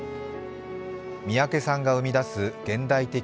三宅さんが生み出す現代的